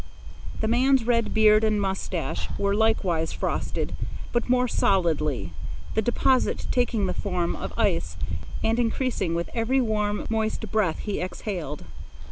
The man's red beard and moustache were likewise frosted, but more solidly, the deposit taking the form of ice and increasing with every warm, moist breath he exhaled.